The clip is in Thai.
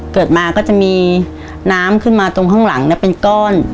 เกิดมาก็จะมีน้ำขึ้นมาตรงข้างหลังเป็นก้อน